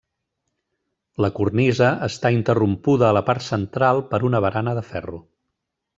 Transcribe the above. La cornisa està interrompuda a la part central per una barana de ferro.